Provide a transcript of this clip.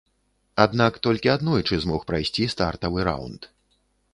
Аднак толькі аднойчы змог прайсці стартавы раўнд.